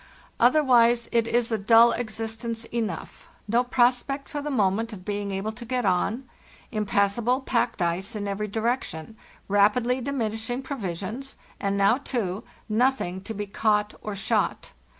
"Otherwise it is a dull existence enough, no prospect for the moment of being able to get on, impassable packed ice in every direction, rapidly diminishing pro visions, and now, too, nothing to be caught or shot.